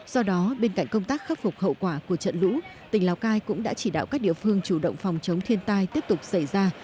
do đó bên cạnh công tác khắc phục hậu quả của trận lũ tỉnh lào cai cũng đã chỉ đạo các địa phương chủ động phòng chống thiên tai tiếp tục xảy ra